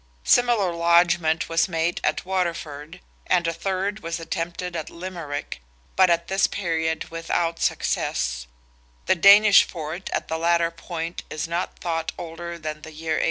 Similar lodgment was made at Waterford, and a third was attempted at Limerick, but at this period without success; the Danish fort at the latter point is not thought older than the year 855.